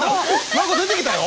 何か出てきたよ？